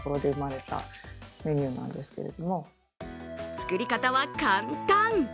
作り方は簡単。